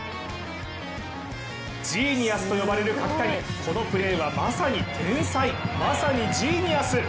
ジーニアスと呼ばれる柿谷、このプレーはまさに天才まさにジーニアス。